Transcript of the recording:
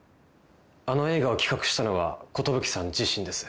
あの映画を企画したのは寿さん自身です。